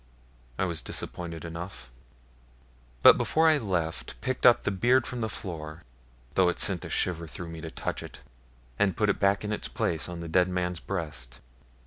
I was disappointed enough, but before I left picked up the beard from the floor, though it sent a shiver through me to touch it, and put it back in its place on the dead man's breast.